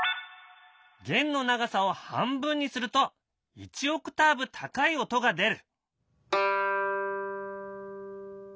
弦の長さを半分にすると１オクターブ高い音が出る。